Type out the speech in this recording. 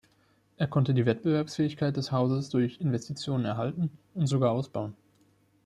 Er konnte die Wettbewerbsfähigkeit des Hauses durch Investitionen erhalten und sogar ausbauen.